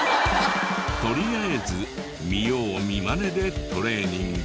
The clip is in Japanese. とりあえず見よう見まねでトレーニング。